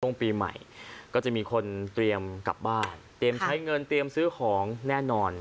ช่วงปีใหม่ก็จะมีคนเตรียมกลับบ้านเตรียมใช้เงินเตรียมซื้อของแน่นอน